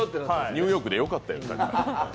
ニューヨークでよかったやん。